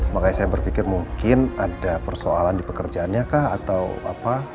makanya saya berpikir mungkin ada persoalan di pekerjaannya kah atau apa